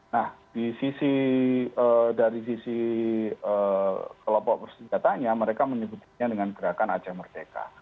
nah dari sisi kelompok bersenjatanya mereka menyebutnya dengan gerakan aceh merdeka